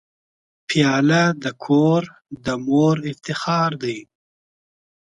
پیاله د کور د مور افتخار دی.